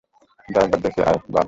যা একবার দেখে আই, বাব।